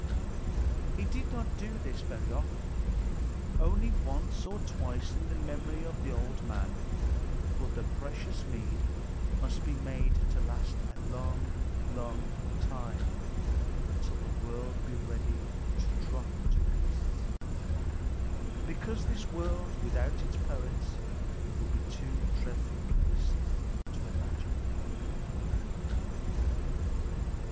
He did not do this often, only once or twice in the memory of an old man; for the precious mead must be made to last a long, long time, until the world be ready to drop to pieces, because this world without its poets would be too dreadful a place to imagine.